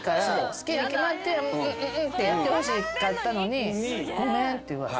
好きに決まってるってやってほしかったのにごめんって。